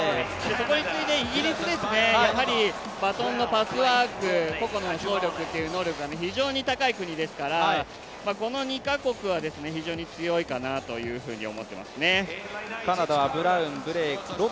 そこに次いでイギリス、バトンのパスワーク、個々の走力という能力が非常に高い国ですからこの２か国は非常に強いかなというふうに思ってますね。